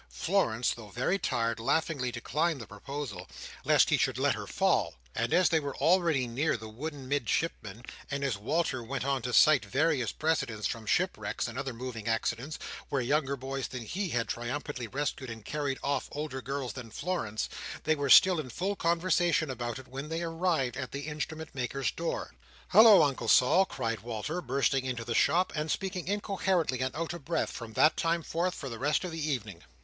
Florence, though very tired, laughingly declined the proposal, lest he should let her fall; and as they were already near the wooden Midshipman, and as Walter went on to cite various precedents, from shipwrecks and other moving accidents, where younger boys than he had triumphantly rescued and carried off older girls than Florence, they were still in full conversation about it when they arrived at the Instrument maker's door. "Holloa, Uncle Sol!" cried Walter, bursting into the shop, and speaking incoherently and out of breath, from that time forth, for the rest of the evening.